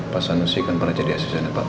pak sanusi kan pernah jadi asisannya bapak